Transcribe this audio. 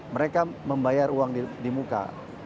mereka membayar uang di muka